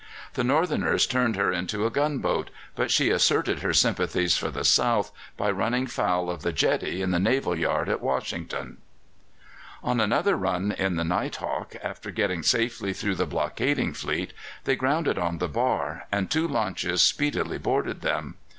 The Northerners turned her into a gunboat, but she asserted her sympathies for the South by running foul of the jetty in the naval yard at Washington. On another run in the Night Hawk, after getting safely through the blockading fleet, they grounded on the bar, and two launches speedily boarded them.